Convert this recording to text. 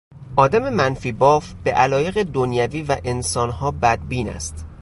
آدم منفیباف به علایق دنیوی و به انسانها بدبین است.